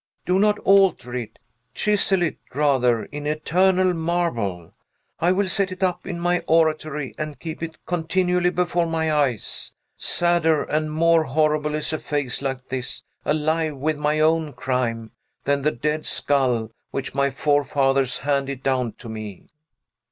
"Do not alter it! Chisel it, rather, in eternal marble! I will set it up in my oratory and keep it continually before my eyes. Sadder and more horrible is a face like this, alive with my own crime, than the dead skull which my forefathers handed down to me!"